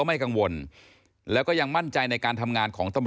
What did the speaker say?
มันไม่ใช่แน่นอน